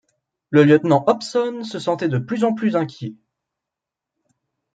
Le lieutenant Hobson se sentait de plus en plus inquiet.